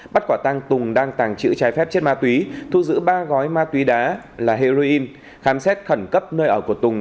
bắt quả tăng tùng đang tàng trữ trái phép chất ma túy thu giữ ba gói ma túy đá là heroin khám xét khẩn cấp nơi ở của tùng